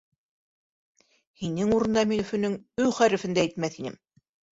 Һинең урында мин Өфөнөң «Ө» хәрефен дә әйтмәҫ инем!